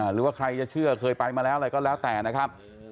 หรือว่าใครจะเชื่อเคยไปมาแล้วอะไรก็แล้วแต่นะครับ